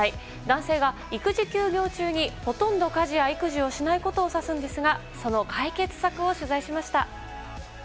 男性が育児休業中にほとんど家事や育児をしないことを指すんですがその解決策を取材しました。